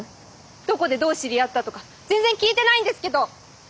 どこでどう知り合ったとか全然聞いてないんですけど！